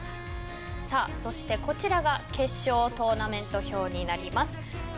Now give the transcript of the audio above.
そして、こちらが決勝トーナメント表になります。